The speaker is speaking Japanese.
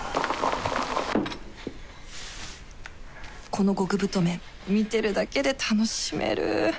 この極太麺見てるだけで楽しめる